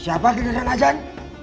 siapa genderaan ajan